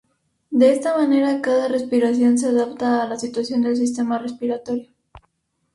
De esta manera cada respiración se adapta a la situación del sistema respiratorio.